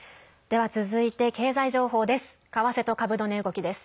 では続いて、経済情報です。